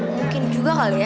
mungkin juga kali ya